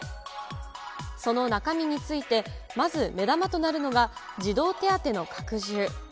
その中身について、まず目玉となるのが児童手当の拡充。